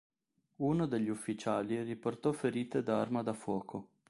Uno degli ufficiali riportò ferite da arma da fuoco.